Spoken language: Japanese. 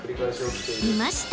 ［いました］